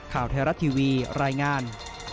ข่าวไทยรัฐทีวีรายงาน